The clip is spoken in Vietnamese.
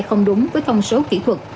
không đúng với thông số kỹ thuật